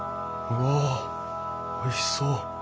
うわおいしそう。